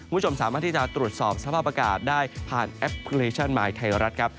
คุณผู้ชมสามารถที่จะตรวจสอบสภาพอากาศได้ผ่านแอปพลิเคชันมายไทยรัฐครับ